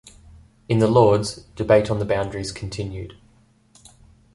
In the Lords, debate on the boundaries continued.